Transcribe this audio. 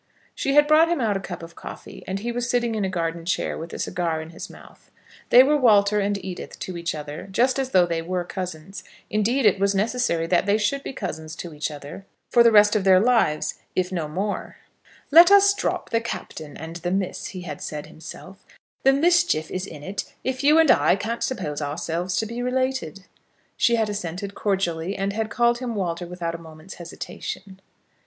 She had brought him out a cup of coffee, and he was sitting in a garden chair with a cigar in his mouth. They were Walter and Edith to each other, just as though they were cousins. Indeed, it was necessary that they should be cousins to each other, for the rest of their lives, if no more. [Illustration: She had brought him out a cup of coffee.] "Let us drop the Captain and the Miss," he had said himself; "the mischief is in it if you and I can't suppose ourselves to be related." She had assented cordially, and had called him Walter without a moment's hesitation.